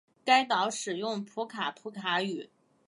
该岛使用普卡普卡语。